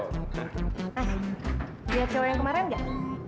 ah lihat cewek yang kemarin gak